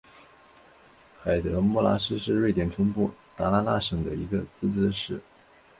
海德穆拉市是瑞典中部达拉纳省的一个自治市。